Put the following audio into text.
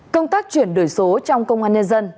công tác chuyển đổi số trong công an nhân dân